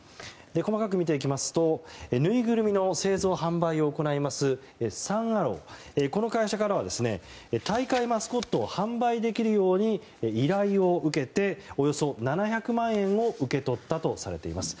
細かく見ていきますとぬいぐるみの製造・販売を行いますサン・アロー、この会社からは大会マスコットを販売できるように依頼を受けておよそ７００万円を受け取ったとされています。